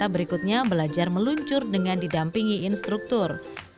bisa meluncur dengan didampingi instruktur